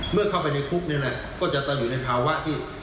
เมื่อเข้าไปในคุกนี่แหละก็จะตะอยู่ในภาวะที่